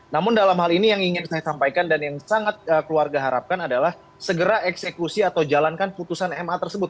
namun dalam hal ini yang ingin saya sampaikan dan yang sangat keluarga harapkan adalah segera eksekusi atau jalankan putusan ma tersebut